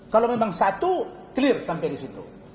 kalau memang satu clear sampai di situ